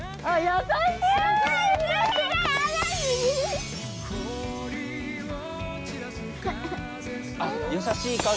はい。